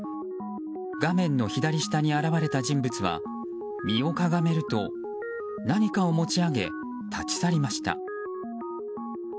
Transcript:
画面の左下に現れた人物は身をかがめると、何かを持ち上げ立ち去りました。